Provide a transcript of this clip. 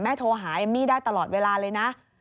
โทรหาเอมมี่ได้ตลอดเวลาเลยนะ